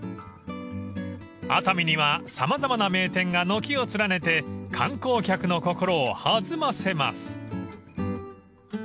［熱海には様々な名店が軒を連ねて観光客の心を弾ませます］